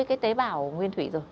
cái tế bào nguyên thủy rồi